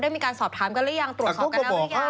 มีการสอบถามกันหรือยังตรวจสอบกันแล้วหรือยัง